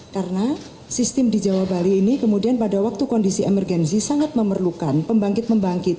karena sistem di jawa bali ini kemudian pada waktu kondisi emergensi sangat memerlukan pembangkit membangkit